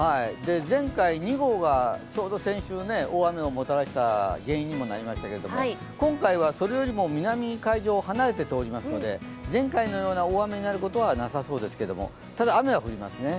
前回、２号がちょうど先週大雨をもたらした原因にもなりましたけど今回はそれよりも南海上を離れて通りますので、前回のような大雨になることはなさそうですがただ、雨は降りますね。